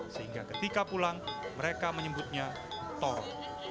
sehingga ketika pulang mereka menyebutnya toro